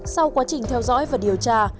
sau quá trình theo dõi và điều tra